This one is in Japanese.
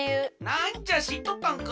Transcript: なんじゃしっとったんか。